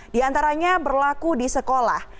di antaranya berlaku di sekolah